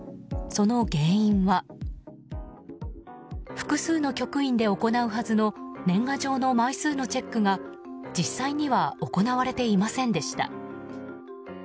その原因は複数の局員で行うはずの年賀状の枚数のチェックが実際には行われていませんでした。